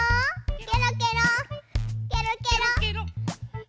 ケロケロケロケロ！